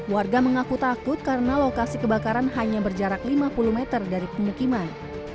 warga mengaku takut karena lokasi kebakaran hanya berjarak lima puluh meter dari pemukiman